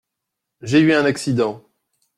J’ai eu un accident.